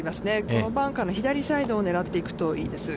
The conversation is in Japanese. このバンカーの左サイドを狙っていくといいです。